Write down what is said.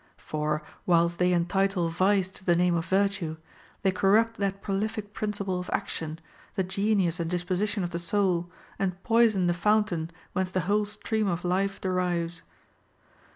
For, whilst they entitle vice to the name of virtue, they corrupt that prolific principle of ac tion, the genius and disposition of the soul, and poison the fountain whence the whole stream of life derives.